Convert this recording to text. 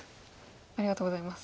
ありがとうございます。